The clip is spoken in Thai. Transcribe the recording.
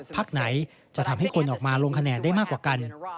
พักไหนจะทำให้คนออกมาลงคะแนนได้มากกว่ากัน